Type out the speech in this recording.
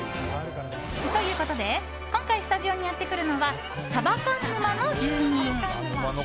ということで今回スタジオにやってくるのはサバ缶沼の住人。